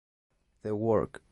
The Work.